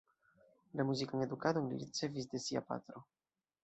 La muzikan edukadon li ricevis de sia patro.